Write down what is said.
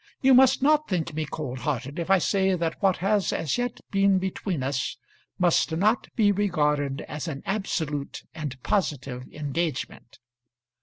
You must not think me cold hearted if I say that what has as yet been between us must not be regarded as an absolute and positive engagement.